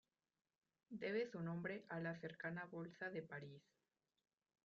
Debe su nombre a la cercana Bolsa de París.